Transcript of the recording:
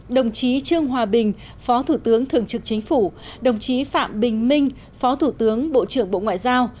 đồng chí trương hòa bình phó thủ tướng thường trực chính phủ đồng chí phạm bình minh phó thủ tướng bộ trưởng bộ ngoại giao